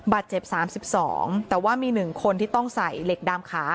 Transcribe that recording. บาดเจ็บ๓๒แต่ว่ามี๑คนที่ต้องใส่เหล็กดามขา